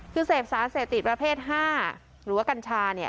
คือเสพสาดเศพติดประเภทห้าหรือว่ากัญชาเนี่ย